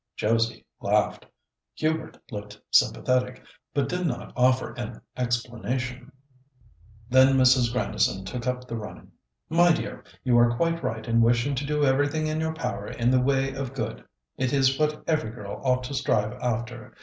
Josie laughed. Hubert looked sympathetic, but did not offer an explanation. Then Mrs. Grandison took up the running. "My dear, you are quite right in wishing to do everything in your power in the way of good; it is what every girl ought to strive after.